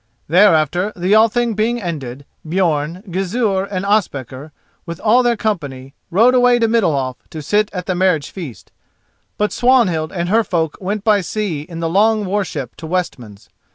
Thereafter, the Althing being ended, Björn, Gizur, and Ospakar, with all their company, rode away to Middalhof to sit at the marriage feast. But Swanhild and her folk went by sea in the long war ship to Westmans.